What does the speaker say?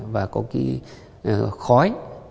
và có cái khói